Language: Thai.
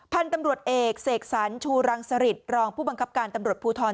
พันธุ์ตำรวจเอกเสกสรรชูรังสริตรองผู้บังคับการตำรวจภูทร